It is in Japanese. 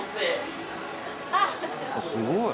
すごい。